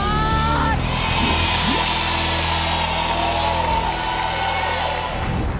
กับการเลือกเรื่องที่จะขึ้นมาตอบ